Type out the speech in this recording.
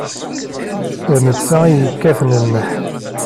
D netta ay yekkaten nneḥ.